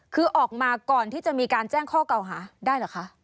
คือออกมาก่อนที่จะมีการแจ้งข้อเก่าหาได้เหรอคะ